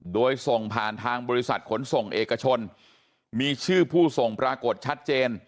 โดยส่งผ่านทางบริษัทขนส่งเอกชนมีชื่อผู้ส่งปรากฏชัดเจน